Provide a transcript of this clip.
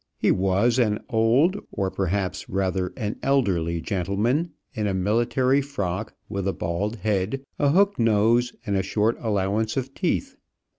He was an old, or, perhaps, rather an elderly gentleman, in a military frock, with a bald head, a hook nose, and a short allowance of teeth.